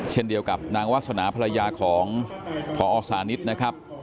เช่นเดียวกับนางวาสนาภรรยาของพอสานิทนะครับ